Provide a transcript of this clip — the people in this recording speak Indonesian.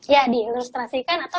ya diilustrasikan atau